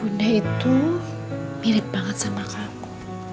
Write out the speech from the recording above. bunda itu mirip banget sama kamu